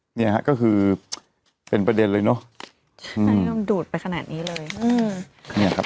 เนี่ยฮะก็คือเป็นประเด็นเลยเนอะใช่ต้องดูดไปขนาดนี้เลยอืมเนี่ยครับ